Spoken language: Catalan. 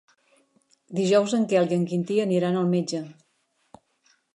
Dijous en Quel i en Quintí aniran al metge.